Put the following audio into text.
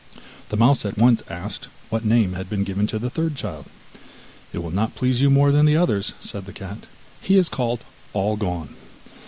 The mouse at once asked what name had been given to the third child. 'It will not please you more than the others,' said the cat. 'He is called All gone.